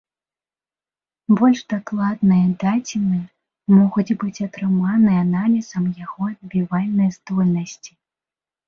Больш дакладныя дадзеныя могуць быць атрыманыя аналізам яго адбівальнай здольнасці.